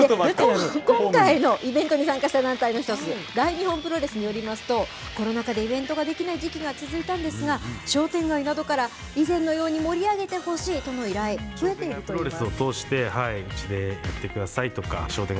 今回のイベントに参加した団体の一つ、大日本プロレスによりますと、コロナ禍でイベントができない時期が続いたんですが、商店街などから、以前のように盛り上げてほしいとの依頼、増えているといいます。